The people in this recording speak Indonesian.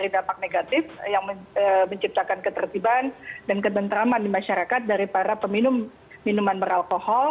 yang menciptakan ketertiban dan ketentraman di masyarakat dari para peminuman beralkohol